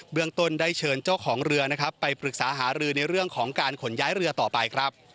เมืองต้นได้เชิญเจ้าของเรือนะครับไปปรึกษาหารือในเรื่องของการขนย้ายเรือต่อไปครับ